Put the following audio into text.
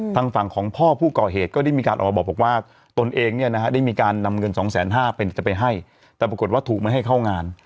ทางฝั่งของพ่อผู้ก่อเหตุก็ได้มีการออกมาบอกว่าตนเองได้มีการนำเงิน๒๕๐๐๐๐บาทไปให้แต่ปรากฏว่าถูกไม่ให้เข้างาน